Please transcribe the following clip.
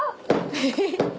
フフフ。